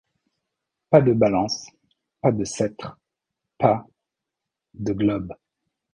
Pas de balance ; pas de sceptre, pas : de globe ;